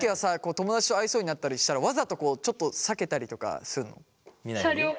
友だちと会いそうになったりしたらわざとこうちょっと避けたりとかするの？